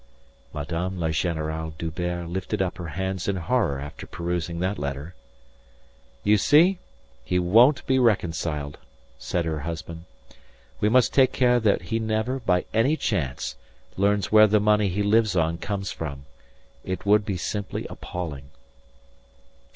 Madame la Générale D'Hubert lifted up her hands in horror after perusing that letter. "You see? He won't be reconciled," said her husband. "We must take care that he never, by any chance, learns where the money he lives on comes from. It would be simply appalling."